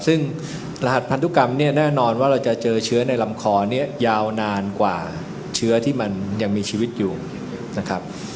ซึ่งรหัสพันธุกรรมเนี่ยแน่นอนว่าเราจะเจอเชื้อในลำคอเนี่ยยาวนานกว่าเชื้อที่มันยังมีชีวิตอยู่นะครับ